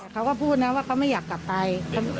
เขาก็พูดนะว่าเขาไม่อยากกลับไป